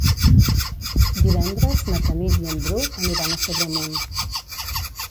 Divendres na Tanit i en Bru aniran a Sobremunt.